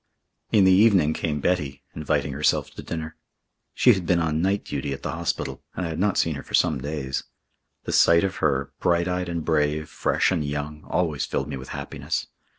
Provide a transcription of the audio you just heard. In the evening came Betty, inviting herself to dinner. She had been on night duty at the hospital, and I had not seen her for some days. The sight of her, bright eyed and brave, fresh and young, always filled me with happiness.